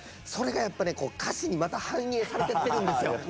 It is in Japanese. それがやっぱねこう歌詞にまた反映されてってるんですよ。